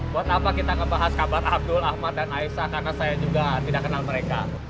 buat apa kita ngebahas kabar abdul ahmad dan aisah karena saya juga tidak kenal mereka